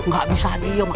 gak bisa dia ma